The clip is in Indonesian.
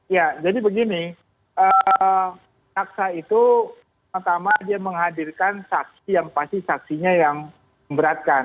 ya jadi begini paksa itu pertama dia menghadirkan saksi yang pasti saksinya yang memberatkan